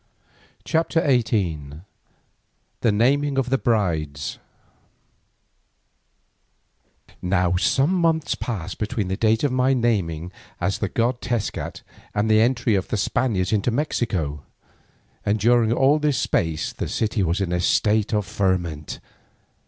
CHAPTER XVIII THE NAMING OF THE BRIDES Now some months passed between the date of my naming as the god Tezcat and the entry of the Spaniards into Mexico, and during all this space the city was in a state of ferment.